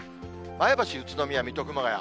前橋、宇都宮、水戸、熊谷。